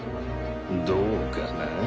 どうかな？